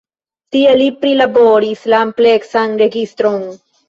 Tie li prilaboris la ampleksan registron.